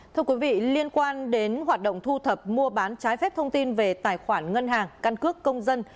thưa quý vị liên quan đến hoạt động thu thập mua bán trái phép thông tin về tài khoản ngân hàng căn cước công dân